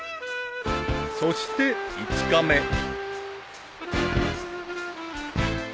［そして５日目］